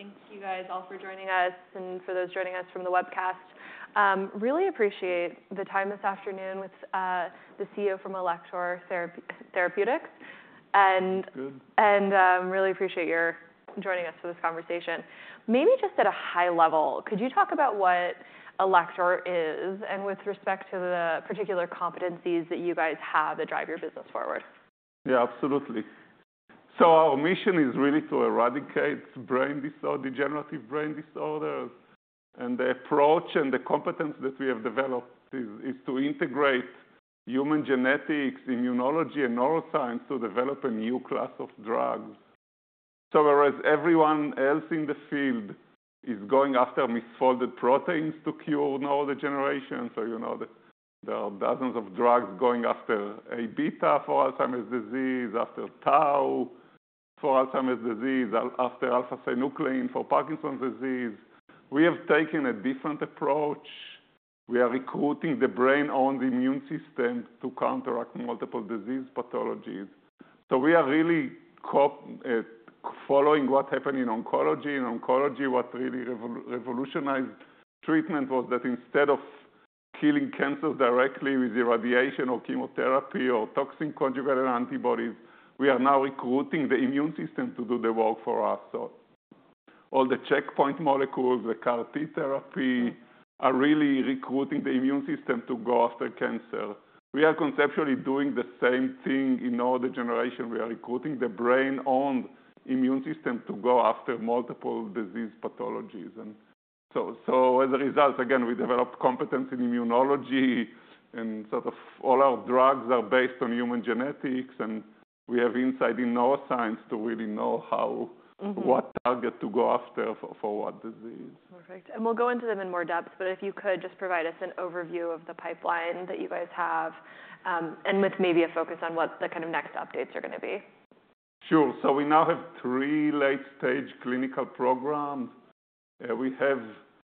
Wonderful. Thank you guys all for joining us, and for those joining us from the webcast. Really appreciate the time this afternoon with the CEO from Alector Therapeutics. And- Good. really appreciate your joining us for this conversation. Maybe just at a high level, could you talk about what Alector is and with respect to the particular competencies that you guys have that drive your business forward? Yeah, absolutely. So our mission is really to eradicate brain disorder, degenerative brain disorders. And the approach and the competence that we have developed is to integrate human genetics, immunology, and neuroscience to develop a new class of drugs. So whereas everyone else in the field is going after misfolded proteins to cure neurodegeneration, so you know, there are dozens of drugs going after Aβ for Alzheimer's disease, after tau for Alzheimer's disease, after alpha-synuclein for Parkinson's disease. We have taken a different approach. We are recruiting the brain-owned immune system to counteract multiple disease pathologies. So we are really following what happened in oncology. In oncology, what really revolutionized treatment was that instead of killing cancer directly with irradiation or chemotherapy or toxin-conjugated antibodies, we are now recruiting the immune system to do the work for us. So all the checkpoint molecules, the CAR T therapy, are really recruiting the immune system to go after cancer. We are conceptually doing the same thing in neurodegeneration. We are recruiting the brain-owned immune system to go after multiple disease pathologies. And so, so as a result, again, we developed competence in immunology, and sort of all our drugs are based on human genetics, and we have insight in neuroscience to really know how- Mm-hmm. What target to go after for what disease? Perfect. We'll go into them in more depth, but if you could, just provide us an overview of the pipeline that you guys have, and with maybe a focus on what the kind of next updates are gonna be. Sure. So we now have three late-stage clinical programs. We have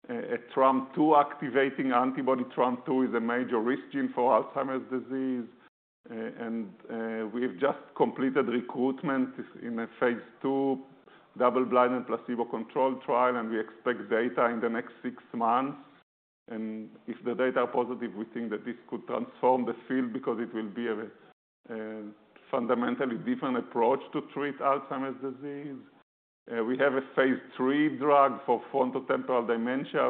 a TREM2-activating antibody. TREM2 is a major risk gene for Alzheimer's disease, and we've just completed recruitment in a phase II double-blind and placebo-controlled trial, and we expect data in the next six months. And if the data are positive, we think that this could transform the field because it will be a fundamentally different approach to treat Alzheimer's disease. We have a phase III drug for frontotemporal dementia,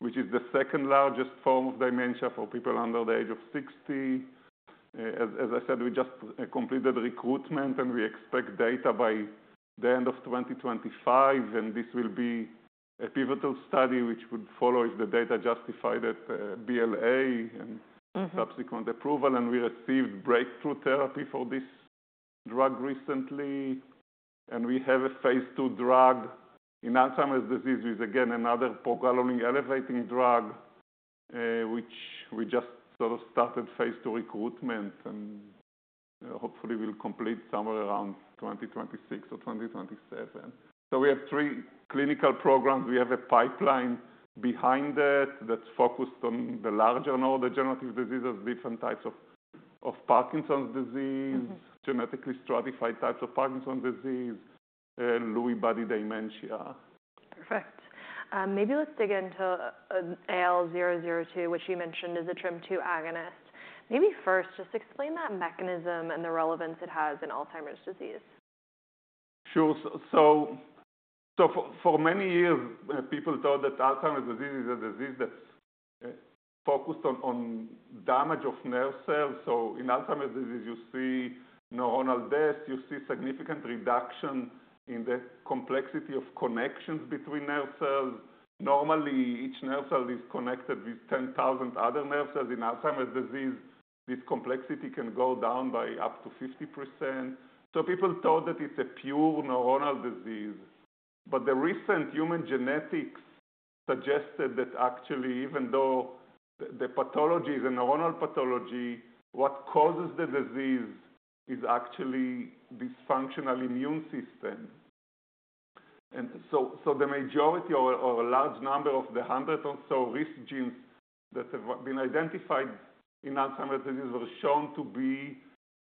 which is the second largest form of dementia for people under the age of 60. As I said, we just completed recruitment, and we expect data by the end of 2025, and this will be a pivotal study which would follow, if the data justify that, BLA and- Mm-hmm... subsequent approval, and we received breakthrough therapy for this drug recently. And we have a phase II drug in Alzheimer's disease, which is again another progranulin elevating drug, which we just sort of started phase II recruitment, and, hopefully, we'll complete somewhere around 2026 or 2027. So we have three clinical programs. We have a pipeline behind it that's focused on the larger neurodegenerative diseases, different types of Parkinson's disease- Mm-hmm. -genetically stratified types of Parkinson's disease, Lewy body dementia. Perfect. Maybe let's dig into AL002, which you mentioned is a TREM2 agonist. Maybe first, just explain that mechanism and the relevance it has in Alzheimer's disease. Sure. So for many years, people thought that Alzheimer's disease is a disease that's focused on damage of nerve cells. So in Alzheimer's disease, you see neuronal death, you see significant reduction in the complexity of connections between nerve cells. Normally, each nerve cell is connected with 10,000 other nerve cells. In Alzheimer's disease, this complexity can go down by up to 50%. So people thought that it's a pure neuronal disease. But the recent human genetics suggested that actually, even though the pathology is a neuronal pathology, what causes the disease is actually dysfunctional immune system. And so the majority or a large number of the 100 or so risk genes that have been identified in Alzheimer's disease were shown to be,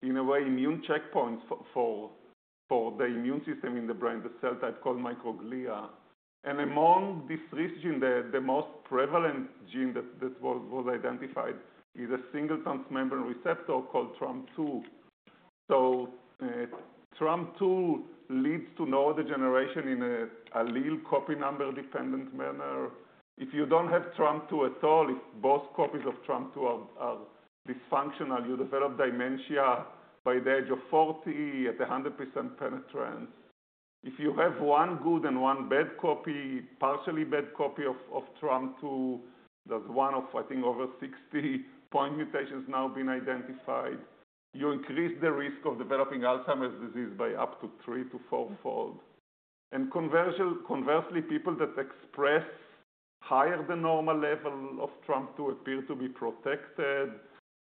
in a way, immune checkpoints for the immune system in the brain, the cell type called microglia. And among this risk gene, the most prevalent gene that was identified is a single transmembrane receptor called TREM2. So TREM2 leads to neurodegeneration in an allele copy number-dependent manner. If you don't have TREM2 at all, if both copies of TREM2 are dysfunctional, you develop dementia by the age of 40 at 100% penetrance. If you have one good and one bad copy, partially bad copy of TREM2, that's one of, I think, over 60 point mutations now been identified, you increase the risk of developing Alzheimer's disease by up to threefold-fourfold. Conversely, people that express higher than normal level of TREM2 appear to be protected,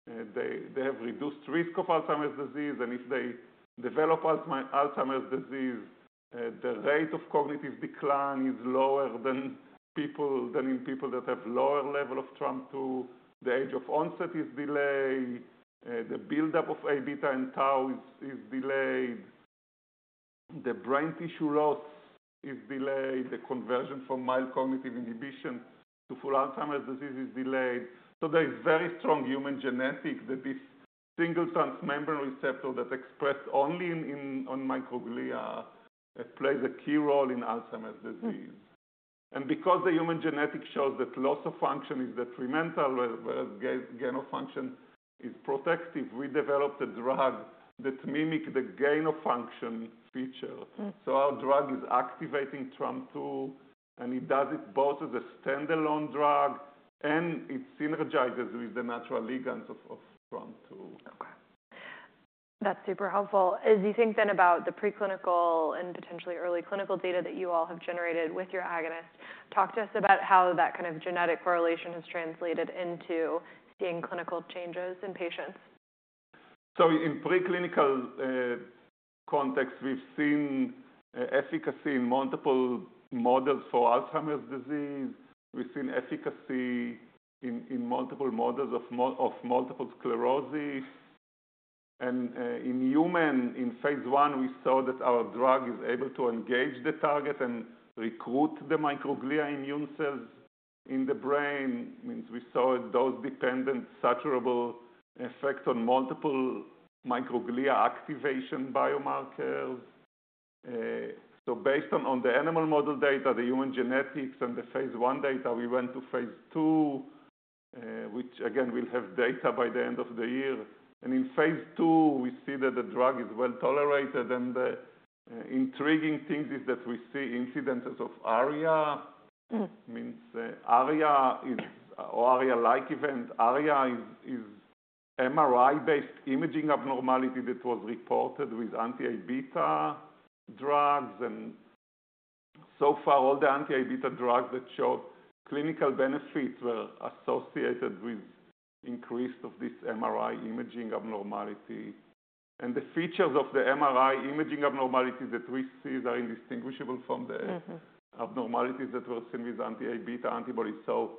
they have reduced risk of Alzheimer's disease, and if they develop Alzheimer's disease, the rate of cognitive decline is lower than in people that have lower level of TREM2. The age of onset is delayed, the buildup of Aβ and tau is delayed, the brain tissue loss is delayed, the conversion from mild cognitive impairment to full Alzheimer's disease is delayed. So there is very strong human genetic that this single transmembrane receptor that expressed only on microglia plays a key role in Alzheimer's disease. And because the human genetic shows that loss of function is detrimental, where gain of function is protective, we developed a drug that mimic the gain of function feature. Mm. So our drug is activating TREM2, and it does it both as a standalone drug and it synergizes with the natural ligands of TREM2. Okay. That's super helpful. As you think then about the preclinical and potentially early clinical data that you all have generated with your agonist, talk to us about how that kind of genetic correlation has translated into seeing clinical changes in patients. So in preclinical context, we've seen efficacy in multiple models for Alzheimer's disease. We've seen efficacy in multiple models of multiple sclerosis. In human, in phase I, we saw that our drug is able to engage the target and recruit the microglia immune cells in the brain. Means we saw a dose-dependent saturable effect on multiple microglia activation biomarkers. So based on the animal model data, the human genetics, and the phase I data, we went to phase II, which again, we'll have data by the end of the year. In phase II, we see that the drug is well tolerated, and the intriguing thing is that we see incidences of ARIA. Mm. Means, ARIA is, or ARIA-like event. ARIA is MRI-based imaging abnormality that was reported with anti-Aβ drugs. And so far, all the anti-Aβ drugs that showed clinical benefits were associated with increased of this MRI imaging abnormality. And the features of the MRI imaging abnormalities that we see are indistinguishable from the- Mm-hmm ... abnormalities that were seen with anti-Aβ antibodies. So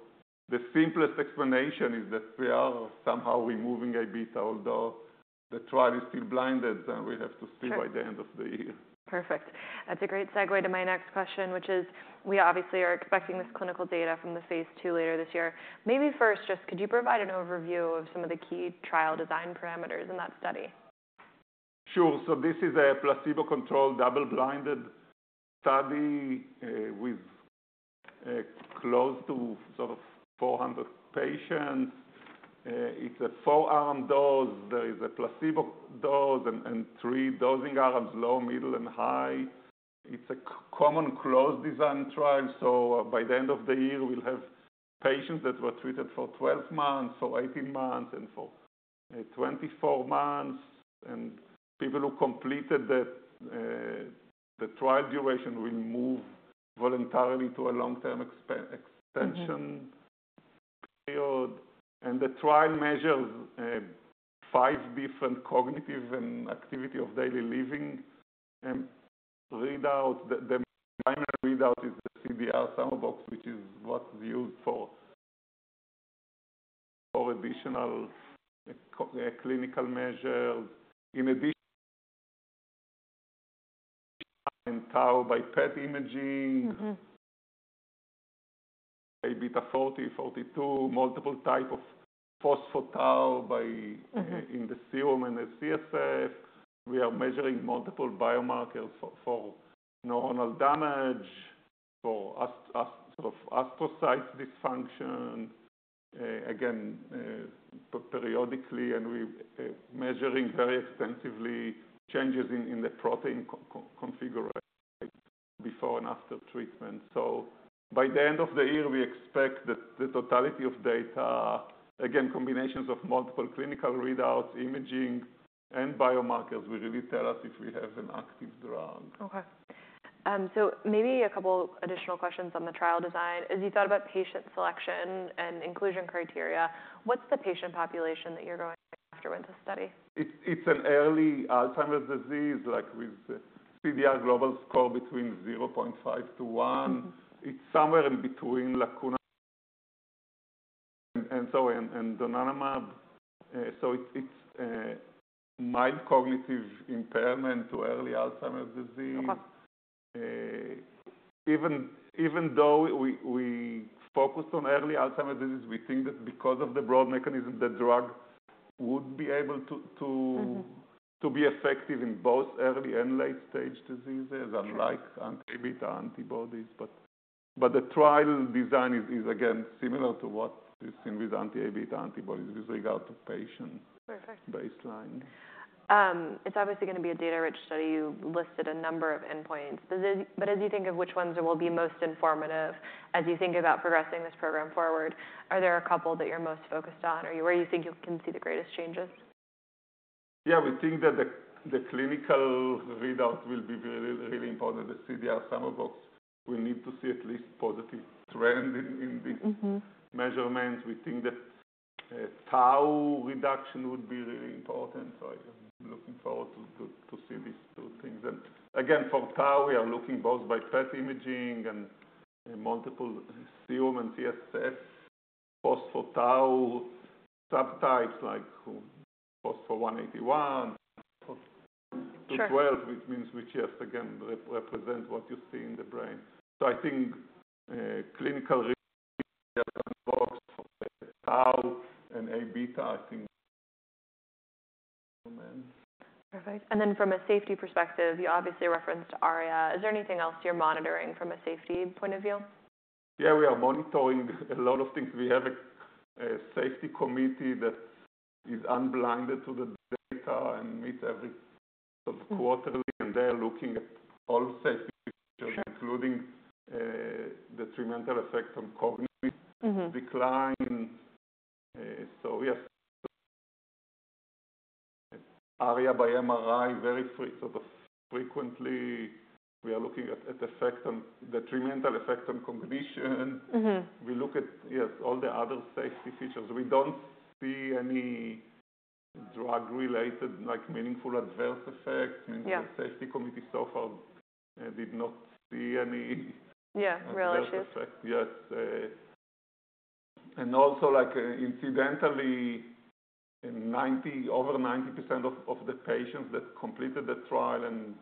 the simplest explanation is that we are somehow removing Aβ, although the trial is still blinded, and we have to- Sure. -see by the end of the year. Perfect. That's a great segue to my next question, which is: we obviously are expecting this clinical data from the phase II later this year. Maybe first, just could you provide an overview of some of the key trial design parameters in that study? Sure. So this is a placebo-controlled, double-blinded study with close to sort of 400 patients. It's a 4-arm dose. There is a placebo dose and three dosing arms, low, middle, and high. It's a common close design trial, so by the end of the year, we'll have patients that were treated for 12 months, for 18 months, and for 24 months. And people who completed the trial duration will move voluntarily to a long-term extension- Mm-hmm -period. The trial measures five different cognitive and activity of daily living readouts. The primary readout is the CDR-SB, which is what's used for additional clinical measures. In addition, and tau by PET imaging. Mm-hmm. Aβ40, Aβ42, multiple type of phospho-tau by- Mm-hmm in the serum and the CSF. We are measuring multiple biomarkers for neuronal damage, for as sort of astrocyte dysfunction. Again, periodically, and we measuring very extensively changes in the protein configuration before and after treatment. So by the end of the year, we expect that the totality of data, again, combinations of multiple clinical readouts, imaging, and biomarkers, will really tell us if we have an active drug. Okay. So maybe a couple additional questions on the trial design. As you thought about patient selection and inclusion criteria, what's the patient population that you're going after with this study? It's an early Alzheimer's disease, like with CDR global score between 0.5-one. Mm-hmm. It's somewhere in between lecanemab and donanemab, so it's mild cognitive impairment to early Alzheimer's disease. Okay. Even though we focused on early Alzheimer's disease, we think that because of the broad mechanism, the drug would be able to to- Mm-hmm... to be effective in both early- and late-stage diseases. Sure Unlike anti-Aβ antibodies. But the trial design is again similar to what is seen with anti-Aβ antibodies with regard to patient- Perfect - baseline. It's obviously going to be a data-rich study. You listed a number of endpoints. But as you think of which ones will be most informative, as you think about progressing this program forward, are there a couple that you're most focused on? Or where you think you can see the greatest changes? Yeah, we think that the clinical readouts will be really, really important, the CDR Sum of Boxes. We need to see at least positive trend in these- Mm-hmm... measurements. We think that tau reduction would be really important, so I am looking forward to see these two things. And again, for tau, we are looking both by PET imaging and multiple serum and CSF phospho-tau subtypes, like phospho-tau 181, phospho-tau 217, which means, which just again represent what you see in the brain. So I think clinical read, tau and Aβ, I think. Perfect. Then from a safety perspective, you obviously referenced ARIA. Is there anything else you're monitoring from a safety point of view? Yeah, we are monitoring a lot of things. We have a safety committee that is unblinded to the data and meets every sort of quarterly, and they are looking at all safety features- Sure. - including, the treatment effect on cognitive- Mm-hmm. - decline. So yes. ARIA by MRI, very sort of frequently, we are looking at effect on the treatment effect on cognition. Mm-hmm. We look at, yes, all the other safety features. We don't see any drug-related, like, meaningful adverse effects. Yeah. The safety committee so far did not see any- Yeah, really? -adverse effects. Yes, and also, like, incidentally, in 90%, over 90% of the patients that completed the trial and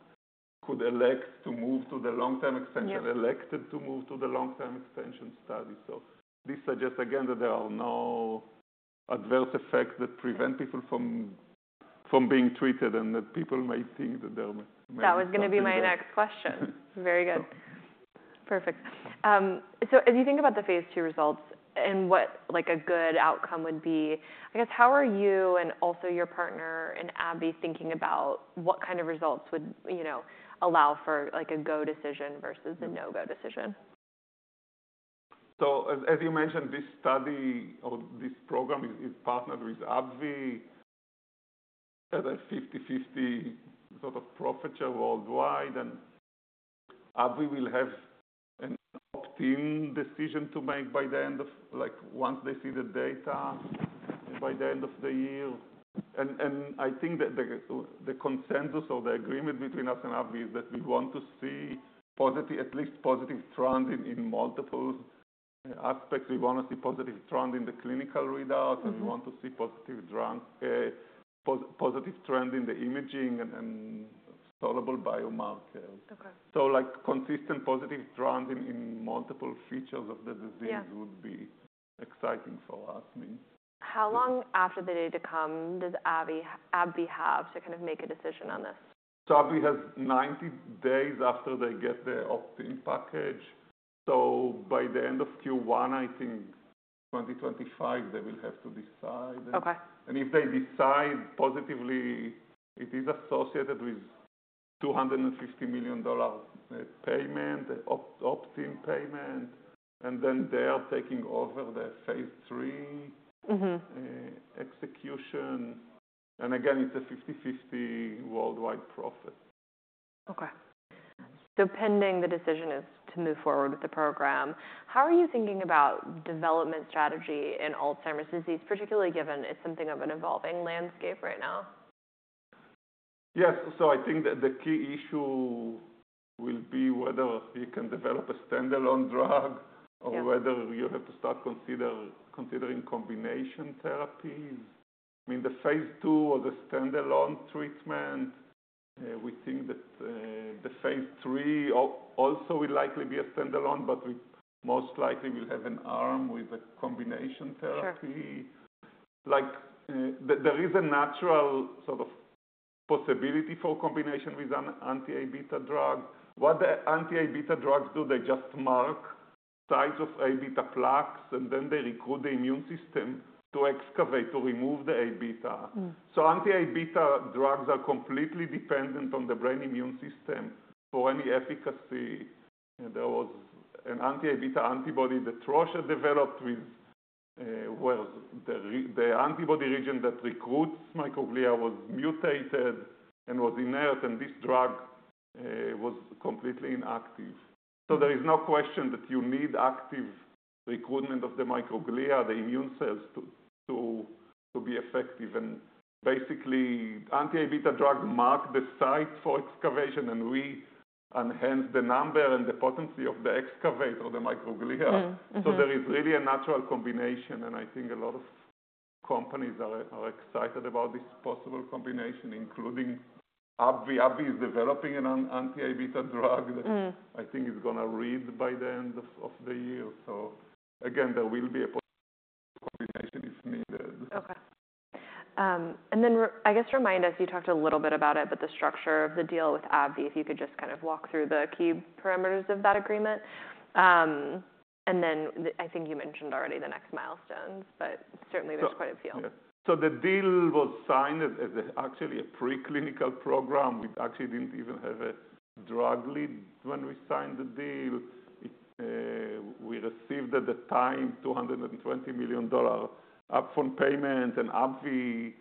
could elect to move to the long-term extension- Yeah - elected to move to the long-term extension study. So this suggests, again, that there are no adverse effects that prevent people from being treated and that people may think that there may- That was gonna be my next question. Very good. Perfect. So as you think about the phase II results and what, like, a good outcome would be, I guess, how are you and also your partner in AbbVie, thinking about what kind of results would, you know, allow for, like a go decision versus a no-go decision? So as you mentioned, this study or this program is partnered with AbbVie as a 50/50 sort of profit share worldwide, and AbbVie will have an opt-in decision to make by the end of, like, once they see the data by the end of the year. And I think that the consensus or the agreement between us and AbbVie is that we want to see positive, at least positive trend in multiple aspects. We want to see positive trend in the clinical readouts- Mm-hmm. - and we want to see positive trend, positive trend in the imaging and soluble biomarkers. Okay. So like consistent positive trend in multiple features of the disease- Yeah would be exciting for us, I mean. How long after the data come does AbbVie, AbbVie have to kind of make a decision on this? AbbVie has 90 days after they get the opt-in package. By the end of Q1, I think 2025, they will have to decide. Okay. And if they decide positively, it is associated with $250 million dollar payment, opt-in payment, and then they are taking over the phase III- Mm-hmm - execution. And again, it's a 50/50 worldwide profit. Okay. Pending the decision to move forward with the program, how are you thinking about development strategy in Alzheimer's disease, particularly given it's something of an evolving landscape right now? Yes. So I think that the key issue will be whether you can develop a standalone drug- Yeah - or whether you have to start considering combination therapies. I mean, the phase II or the standalone treatment, we think that, the phase III also will likely be a standalone, but we most likely will have an arm with a combination therapy. Sure. Like, there is a natural sort of possibility for combination with an anti-Aβ drug. What the anti-Aβ drugs do, they just mark sites of Aβ plaques, and then they recruit the immune system to excavate, to remove the Aβ. Mm. So anti-Aβ drugs are completely dependent on the brain immune system for any efficacy. There was an anti-Aβ antibody that Roche had developed with the antibody region that recruits microglia was mutated and was inert, and this drug was completely inactive. So there is no question that you need active recruitment of the microglia, the immune cells, to be effective. And basically, anti-Aβ drug mark the site for excavation, and we enhance the number and the potency of the excavator, the microglia. Mm-hmm. So there is really a natural combination, and I think a lot of companies are excited about this possible combination, including AbbVie. AbbVie is developing an anti-Aβ drug- Mm - that I think is going to read by the end of the year. So again, there will be a possibility, combination is needed. Okay. And then I guess remind us, you talked a little bit about it, but the structure of the deal with AbbVie, if you could just kind of walk through the key parameters of that agreement. And then I think you mentioned already the next milestones, but certainly there's quite a few. So the deal was signed as a, actually a preclinical program. We actually didn't even have a drug lead when we signed the deal. It we received at the time $220 million upfront payment, and AbbVie,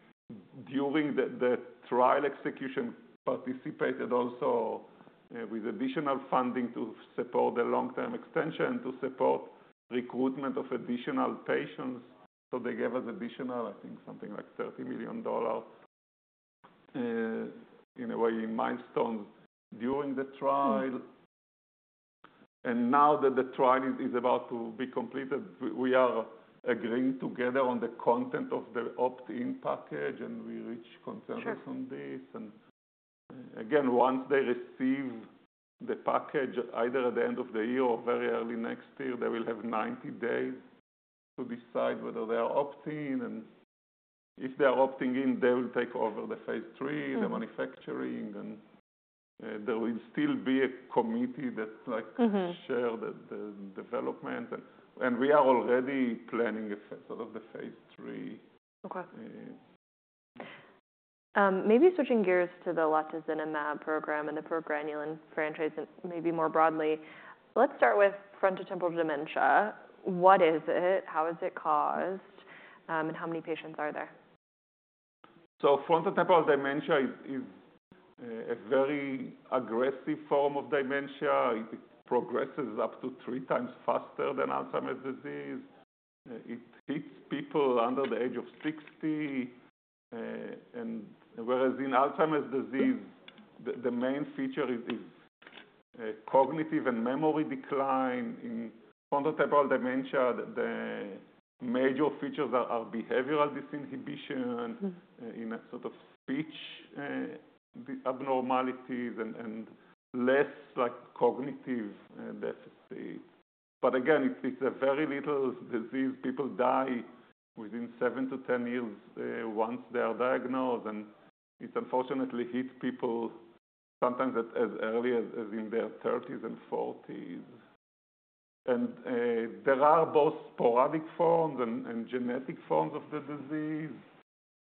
during the trial execution, participated also with additional funding to support the long-term extension, to support recruitment of additional patients. So they gave us additional, I think, something like $30 million in a way, in milestones during the trial. And now that the trial is about to be completed, we are agreeing together on the content of the opt-in package, and we reach consensus on this. Sure. Again, once they receive the package, either at the end of the year or very early next year, they will have 90 days to decide whether they are opting in. If they are opting in, they will take over the phase III- Mm-hmm. -the manufacturing, and, there will still be a committee that like- Mm-hmm Share the development. And we are already planning a sort of the phase III. Okay. Maybe switching gears to the latozinemab program and the progranulin franchise, and maybe more broadly, let's start with frontotemporal dementia. What is it? How is it caused? And how many patients are there? Frontotemporal dementia is a very aggressive form of dementia. It progresses up to 3x faster than Alzheimer's disease. It hits people under the age of 60. Whereas in Alzheimer's disease, the main feature is cognitive and memory decline. In frontotemporal dementia, the major features are behavioral disinhibition. Mm-hmm... and in a sort of speech abnormalities and less like cognitive deficit. But again, it's a very little disease. People die within seven-10 years once they are diagnosed, and it unfortunately hits people sometimes as early as in their thirties and forties. And there are both sporadic forms and genetic forms of the disease.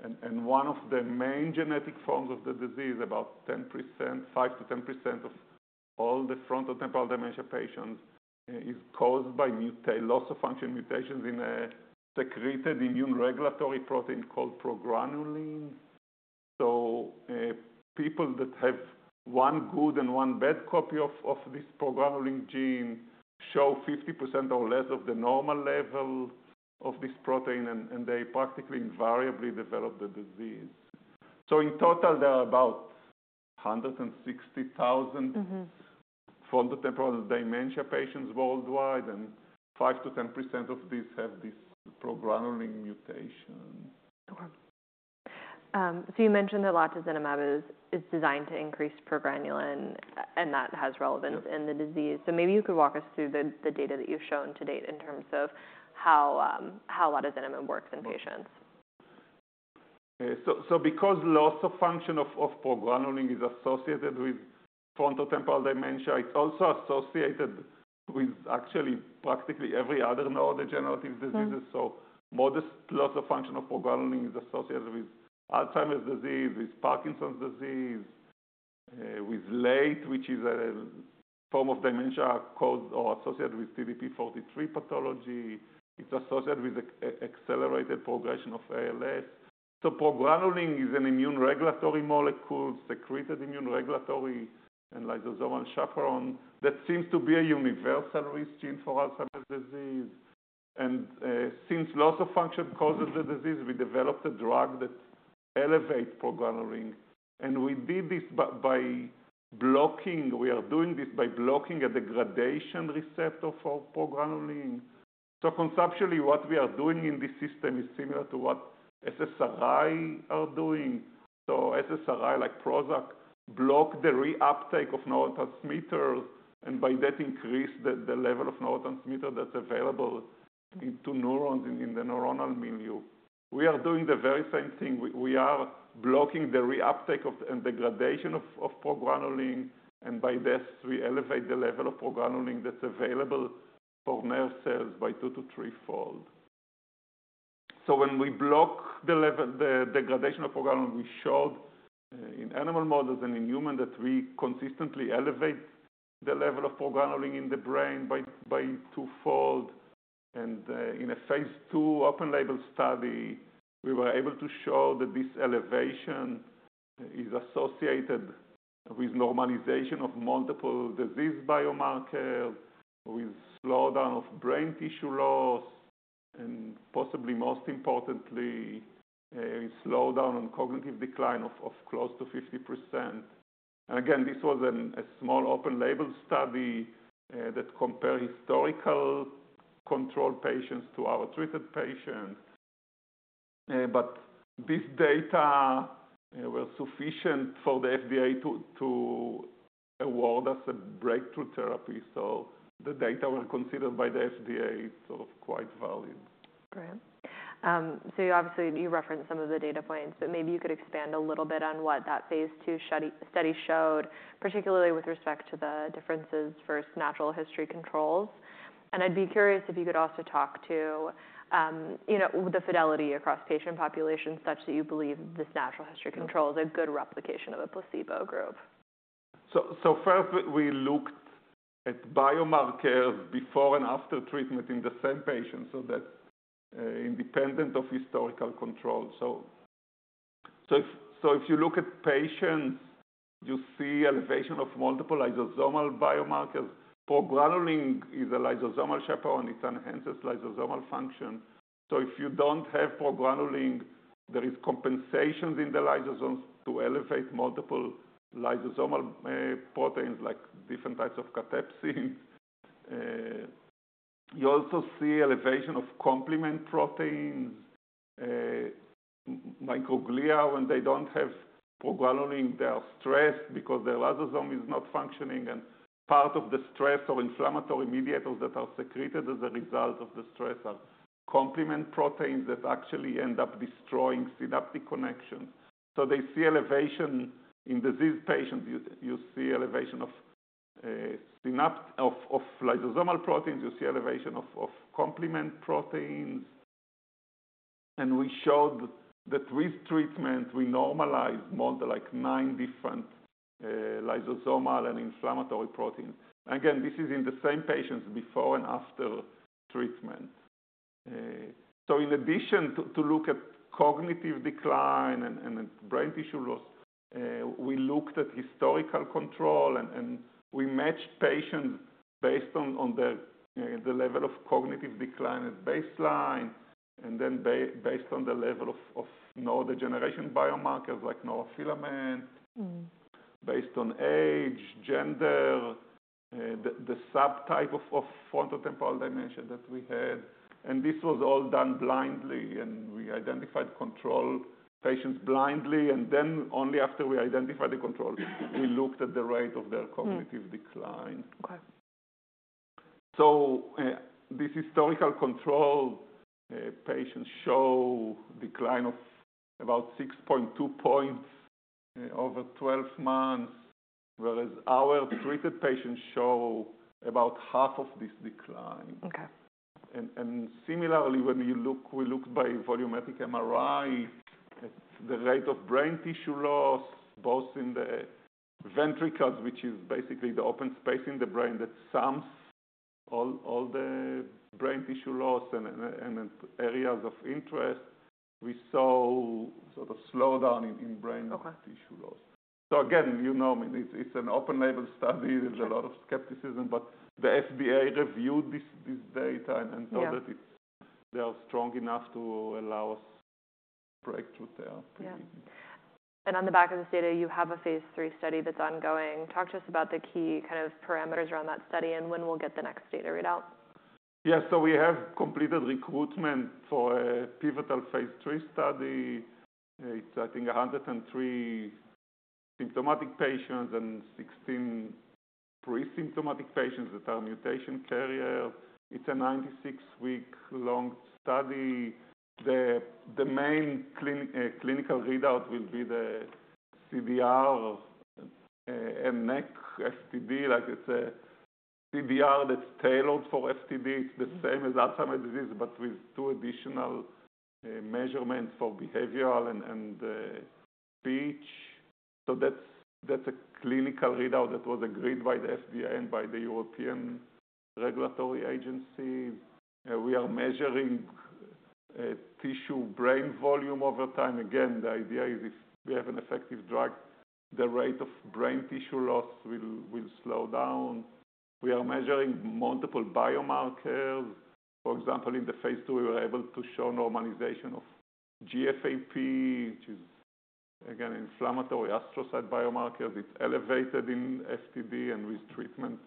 And one of the main genetic forms of the disease, about 10%, 5%-10% of all the frontotemporal dementia patients, is caused by loss of function mutations in a secreted immune regulatory protein called progranulin. So people that have one good and one bad copy of this progranulin gene show 50% or less of the normal level of this protein, and they practically invariably develop the disease. In total, there are about 160,000- Mm-hmm frontotemporal dementia patients worldwide, and 5%-10% of these have this progranulin mutation. Okay. So you mentioned that latozinemab is designed to increase progranulin, and that has relevance- Yeah -in the disease. So maybe you could walk us through the data that you've shown to date in terms of how latozinemab works in patients. Because loss of function of progranulin is associated with frontotemporal dementia, it's also associated with actually practically every other neurodegenerative diseases. Mm. So modest loss of function of progranulin is associated with Alzheimer's disease, with Parkinson's disease, with LATE, which is a form of dementia caused or associated with TDP-43 pathology. It's associated with accelerated progression of ALS. So progranulin is an immune regulatory molecule, secreted immune regulatory and lysosomal chaperone that seems to be a universal risk gene for Alzheimer's disease. And since loss of function causes the disease, we developed a drug that elevates progranulin, and we did this by blocking a degradation receptor for progranulin. So conceptually, what we are doing in this system is similar to what SSRI are doing. So SSRI, like Prozac, block the reuptake of neurotransmitters, and by that increase the level of neurotransmitter that's available to neurons in the neuronal milieu. We are doing the very same thing. We are blocking the reuptake of and degradation of progranulin, and by this, we elevate the level of progranulin that's available for nerve cells by twofold-threefold. So when we block the level, the degradation of progranulin, we showed in animal models and in human that we consistently elevate the level of progranulin in the brain by twofold. And in a phase II open label study, we were able to show that this elevation is associated with normalization of multiple disease biomarkers, with slowdown of brain tissue loss, and possibly most importantly, a slowdown in cognitive decline of close to 50%. And again, this was a small open label study that compare historical control patients to our treated patients. But this data was sufficient for the FDA to award us a breakthrough therapy. The data were considered by the FDA, sort of quite valid. Great. So obviously, you referenced some of the data points, but maybe you could expand a little bit on what that phase II study showed, particularly with respect to the differences versus natural history controls. And I'd be curious if you could also talk to, you know, the fidelity across patient populations, such that you believe this natural history control is a good replication of a placebo group. So first, we looked at biomarkers before and after treatment in the same patient, so that's independent of historical control. So if you look at patients, you see elevation of multiple lysosomal biomarkers. Progranulin is a lysosomal chaperone. It enhances lysosomal function. So if you don't have progranulin, there is compensations in the lysosomes to elevate multiple lysosomal proteins, like different types of cathepsin. You also see elevation of complement proteins. Microglia, when they don't have progranulin, they are stressed because their lysosome is not functioning, and part of the stress or inflammatory mediators that are secreted as a result of the stress are complement proteins that actually end up destroying synaptic connections. So they see elevation in disease patients, you see elevation of lysosomal proteins, you see elevation of complement proteins. We showed that with treatment, we normalize more than, like, nine different lysosomal and inflammatory proteins. Again, this is in the same patients before and after treatment. So in addition to looking at cognitive decline and brain tissue loss, we looked at historical control, and we matched patients based on the level of cognitive decline at baseline, and then based on the level of neurodegeneration biomarkers, like neurofilament. Mm. Based on age, gender, the subtype of frontotemporal dementia that we had, and this was all done blindly, and we identified control patients blindly, and then only after we identified the control, we looked at the rate of their cognitive- Mm. -decline. Okay. This historical control patients show decline of about 6.2 points over 12 months, whereas our treated patients show about 1/2 of this decline. Okay. And similarly, when you look—we look by volumetric MRI, the rate of brain tissue loss, both in the ventricles, which is basically the open space in the brain, that sums all the brain tissue loss and areas of interest, we saw sort of slowdown in brain- Okay... tissue loss. So again, you know, I mean, it's an open-label study. Sure. There's a lot of skepticism, but the FDA reviewed this data and... Yeah... so that it's, they are strong enough to allow us breakthrough there. Yeah. On the back of this data, you have a phase III study that's ongoing. Talk to us about the key kind of parameters around that study and when we'll get the next data readout. Yeah. So we have completed recruitment for a pivotal phase III study. It's, I think, 103 symptomatic patients and 16 pre-symptomatic patients that are mutation carrier. It's a 96-week-long study. The main clinical readout will be the CDR and NACC FTD. Like, it's a CDR that's tailored for FTD. It's the same as Alzheimer's disease, but with two additional measurements for behavioral and speech. So that's a clinical readout that was agreed by the FDA and by the European Regulatory Agency. We are measuring tissue brain volume over time. Again, the idea is if we have an effective drug, the rate of brain tissue loss will slow down. We are measuring multiple biomarkers. For example, in the phase II, we were able to show normalization of GFAP, which is, again, inflammatory astrocyte biomarkers. It's elevated in FTD and with treatment,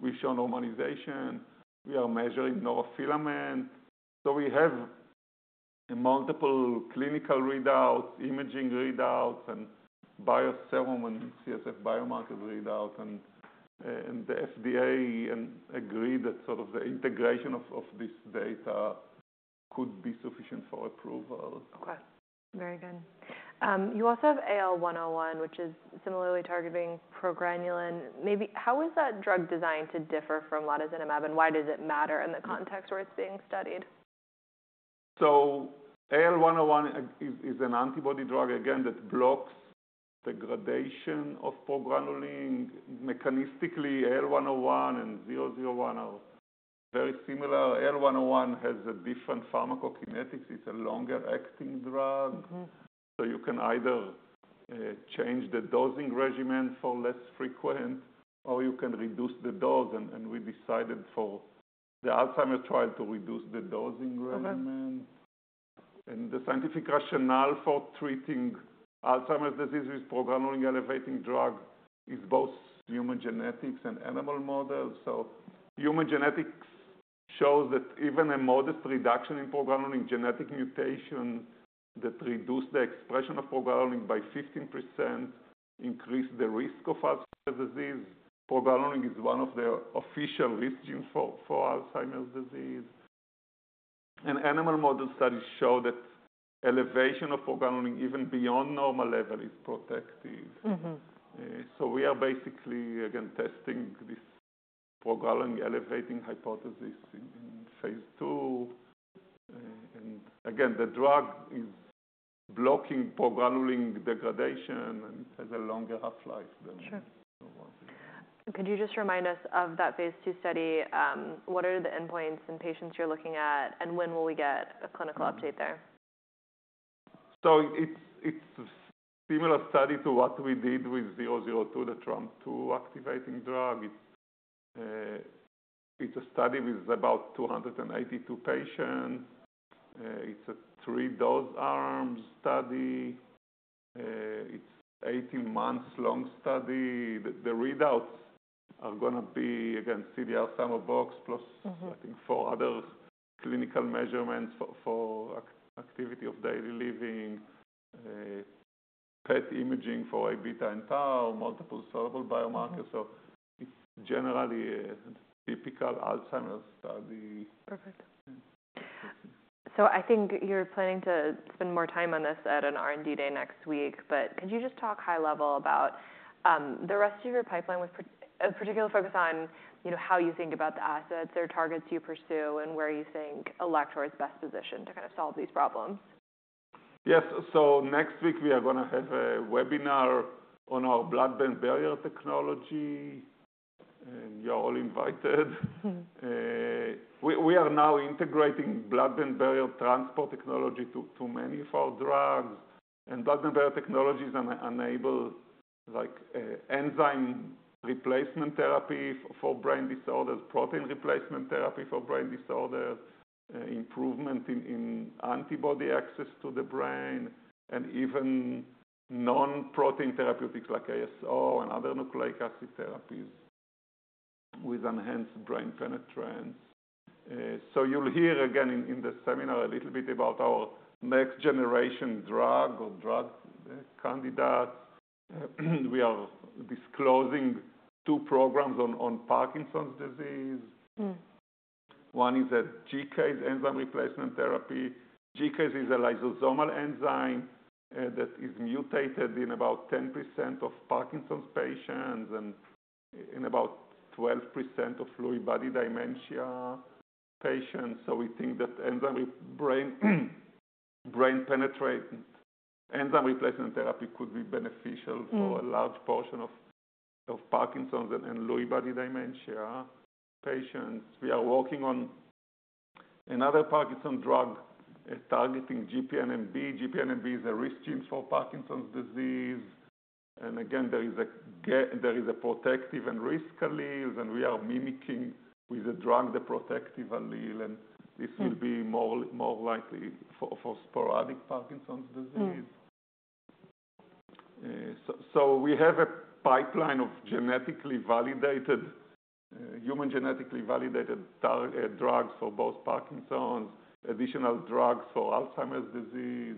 we show normalization. We are measuring neurofilament. So we have multiple clinical readouts, imaging readouts, and both serum and CSF biomarker readout, and the FDA agreed that sort of the integration of this data could be sufficient for approval. Okay, very good. You also have AL101, which is similarly targeting progranulin. Maybe how is that drug designed to differ from latozinemab, and why does it matter in the context where it's being studied? AL101 is an antibody drug, again, that blocks the degradation of progranulin. Mechanistically, AL101 and AL001 are very similar. AL101 has a different pharmacokinetics. It's a longer-acting drug. Mm-hmm. So you can either change the dosing regimen for less frequent, or you can reduce the dose, and we decided for the Alzheimer's trial to reduce the dosing regimen. Okay. The scientific rationale for treating Alzheimer's disease with progranulin elevating drug is both human genetics and animal models. Human genetics shows that even a modest reduction in progranulin genetic mutation that reduce the expression of progranulin by 15%, increase the risk of Alzheimer's disease. Progranulin is one of the official risk gene for Alzheimer's disease. Animal model studies show that elevation of progranulin, even beyond normal level, is protective. Mm-hmm. So we are basically, again, testing this progranulin elevating hypothesis in phase II. And again, the drug is blocking progranulin degradation, and it has a longer half-life than- Sure... Could you just remind us of that phase II study? What are the endpoints and patients you're looking at, and when will we get a clinical update there? So it's, it's a similar study to what we did with AL002, the TREM2 activating drug. It's, it's a study with about 282 patients. It's a 3-dose arm study. It's 18 months long study. The, the readouts are gonna be, again, CDR Sum of Box plus- Mm-hmm. I think four other clinical measurements for activity of daily living, PET imaging for Aβ and tau, multiple soluble biomarkers. So it's generally a typical Alzheimer's study. Perfect. So I think you're planning to spend more time on this at an R&D day next week, but could you just talk high level about the rest of your pipeline with particularly a focus on, you know, how you think about the assets or targets you pursue, and where you think Alector is best positioned to kind of solve these problems? Yes. Next week we are gonna have a webinar on our blood-brain barrier technology, and you're all invited. Mm. We are now integrating blood-brain barrier transport technology to many of our drugs. Blood-brain barrier technologies enable, like, enzyme replacement therapy for brain disorders, protein replacement therapy for brain disorders, improvement in antibody access to the brain, and even non-protein therapeutics like ASO and other nucleic acid therapies with enhanced brain penetrance. So you'll hear again in the seminar a little bit about our next generation drug candidates. We are disclosing two programs on Parkinson's disease. Mm. One is a GCase enzyme replacement therapy. GCase is a lysosomal enzyme that is mutated in about 10% of Parkinson's patients and in about 12% of Lewy body dementia patients. So we think that enzyme with brain-penetrating enzyme replacement therapy could be beneficial- Mm... for a large portion of Parkinson's and Lewy body dementia patients. We are working on another Parkinson's drug, targeting GPNMB. GPNMB is a risk gene for Parkinson's disease. And again, there is a protective and risk alleles, and we are mimicking with the drug, the protective allele. Mm. This will be more likely for sporadic Parkinson's disease. Mm. So, we have a pipeline of genetically validated, human genetically validated targets, drugs for both Parkinson's, additional drugs for Alzheimer's disease.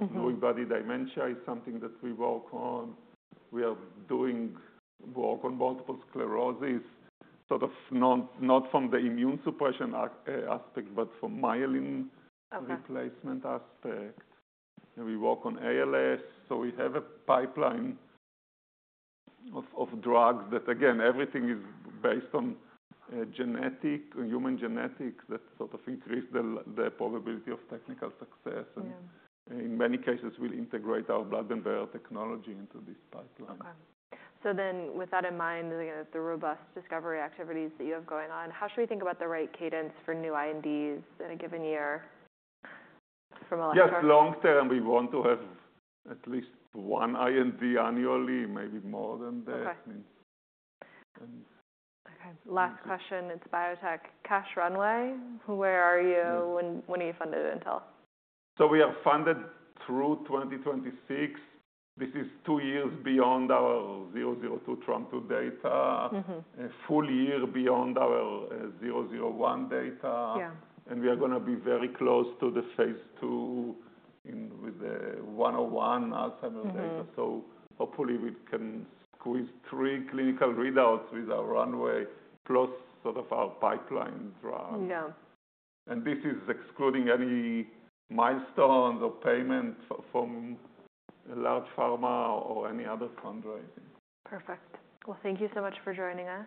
Mm-hmm. Lewy body dementia is something that we work on. We are doing work on multiple sclerosis, sort of not from the immune suppression aspect, but from myelin- Okay... replacement aspect. And we work on ALS. So we have a pipeline of drugs that, again, everything is based on genetic human genetics that sort of increase the probability of technical success- Yeah... and in many cases, we integrate our blood-brain barrier technology into this pipeline. Okay. So then with that in mind, again, the robust discovery activities that you have going on, how should we think about the right cadence for new INDs in a given year from Alector? Just long term, we want to have at least one IND annually, maybe more than that. Okay. And- Okay. Last question, it's biotech cash runway. Where are you? When, when are you funded until? We are funded through 2026. This is two years beyond our AL002 TREM2 data. Mm-hmm. A full year beyond our 001 data. Yeah. We are gonna be very close to the phase II in, with the AL101 Alzheimer's data. Mm-hmm. So hopefully we can squeeze three clinical readouts with our runway, plus sort of our pipeline drug. Yeah. This is excluding any milestones or payments from large pharma or any other fundraising. Perfect. Well, thank you so much for joining us.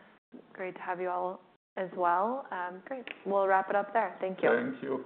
Great to have you all as well. Great. We'll wrap it up there. Thank you. Thank you.